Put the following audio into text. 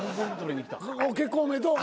結婚おめでとう。